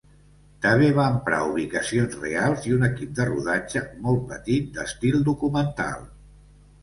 També va emprar ubicacions reals i un equip de rodatge molt petit d'estil documental.